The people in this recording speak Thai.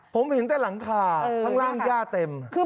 ผมเห็นแต่หลังคาข้างล่างย่าเต็ม